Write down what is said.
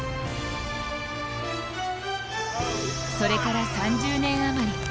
それから３０年余り。